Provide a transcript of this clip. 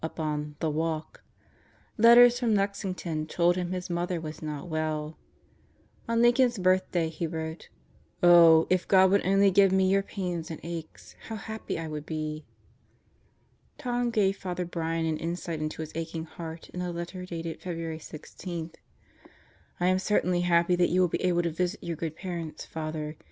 up on "the walk." Letters from Lexington told him his mother was not well. On Lincoln's Birthday he wrote: "Oh, if God would only give me your pains and aches, how happy I would be!" Tom gave Father Brian an insight into his aching heart in a letter dated February 16: I am certainly happy that you will be able to visit your good parents, Father.